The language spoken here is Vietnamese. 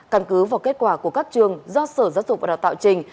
căn cứ vào kết quả của các trường do sở giáo dục và đào tạo trình